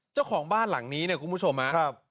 เจ้าของบ้านหลังนี้เนี่ยคุณผู้ชมครับ